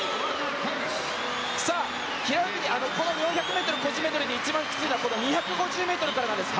４００ｍ個人メドレーで一番きついのはこの２５０ｍからなんです。